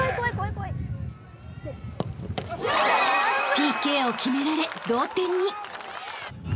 ［ＰＫを決められ同点に］